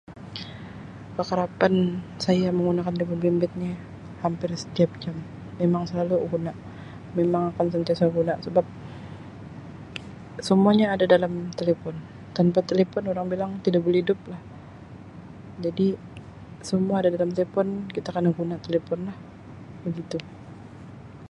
Kekerapan saya menggunakan telefon bimbit ni hampir setiap jam memang selalu guna memang akan sentiasa guna sebab semuanya ada dalam telefon tanpa telefon orang bilang tidak boleh hidup lah jadi semua ada dalam telefon kita kena guna telefon lah begitu.